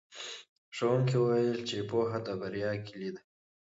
ښوونکي وویل چې پوهه د بریا کیلي ده.